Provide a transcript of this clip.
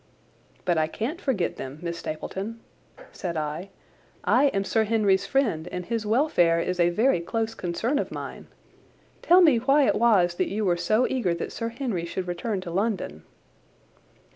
"But I can't forget them, Miss Stapleton," said I. "I am Sir Henry's friend, and his welfare is a very close concern of mine. Tell me why it was that you were so eager that Sir Henry should return to London."